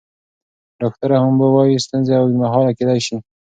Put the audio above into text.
ډاکټره هومبو وايي ستونزې اوږدمهاله کیدی شي.